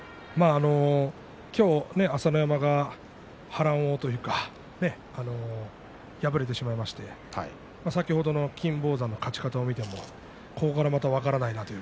今日は朝乃山が波乱というか敗れてしまいまして先ほどの金峰山の勝ち方を見ていてもここからまだ分からないなと。